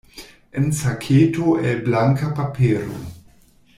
En saketo el blanka papero.